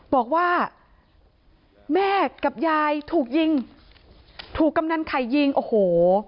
บอกว่าแม่กับยายถูกยิงถูกกำนันไข่ยิงโอ้โห